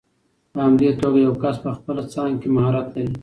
په همدې توګه یو کس په خپله څانګه کې مهارت لري.